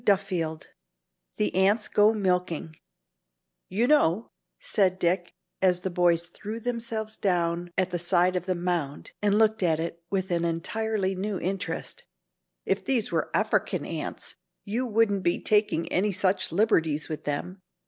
CHAPTER VII THE ANTS GO MILKING "You know," said Dick, as the boys threw themselves down at the side of the mound and looked at it with an entirely new interest, "if these were African ants, you wouldn't be taking any such liberties with them.